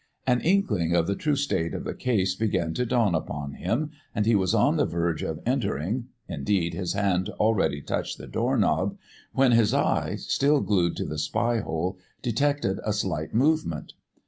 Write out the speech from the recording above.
An inkling of the true state of the case began to dawn upon him, and he was on the verge of entering indeed, his hand already touched the door knob when his eye, still glued to the spy hole, detected a slight movement.